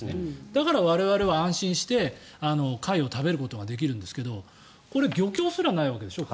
だから我々は安心して貝を食べることができるんですがこれ、漁協すらないわけでしょ。